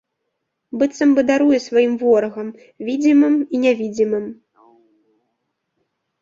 Быццам бы даруе сваім ворагам: відзімым і нявідзімым.